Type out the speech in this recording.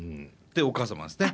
でお母様ですね。